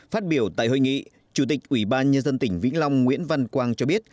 phát biểu tại hội nghị chủ tịch ủy ban nhân dân tỉnh vĩnh long nguyễn văn quang cho biết